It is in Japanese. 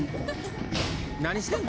何してんの？